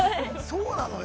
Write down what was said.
◆そうなのよ。